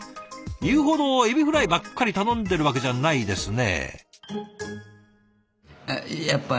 言うほどエビフライばっかり頼んでるわけじゃないですね？